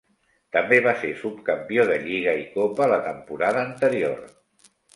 També va ser subcampió de Lliga i Copa la temporada anterior.